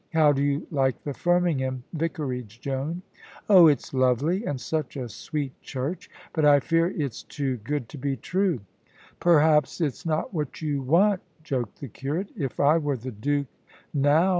How do you like the Firmingham vicarage, Joan?" "Oh, it's lovely, and such a sweet church. But I fear it's too good to be true." "Perhaps it's not what you want," joked the curate. "If I were the Duke, now!"